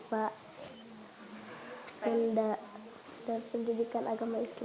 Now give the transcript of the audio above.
bapak senda dan pendidikan agama isi